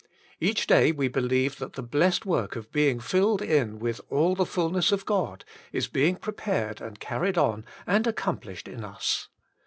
Each day we believe that the blessed work of being filled in with all the ftdness of God is being prepared and carried on and accomplished in us.